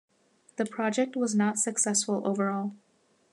The project was not successful overall.